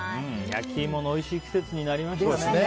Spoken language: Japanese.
焼きいものおいしい季節になりましたね。